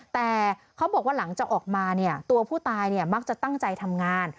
แต่เขาบอกว่าหลังจากออกมาเนี่ยตัวผู้ตายมักจะตั้งใจทำงาน